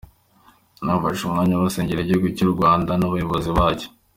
Bafashe umwanya basengera igihugu cy'u Rwanda n'abayobozi bacyo.